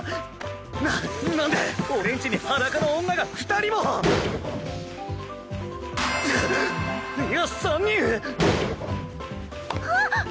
ななんで俺ん家に裸の女が２人も⁉くっいや３人⁉あっ！